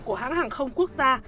của một hãng hàng không quốc gia